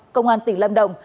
công an tỉnh lâm đồng